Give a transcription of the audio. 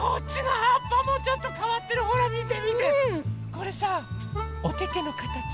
これさおててのかたち。